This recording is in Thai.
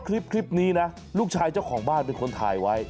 คลิปนี้นะลูกชายเจ้าของบ้านเป็นคนถ่ายไว้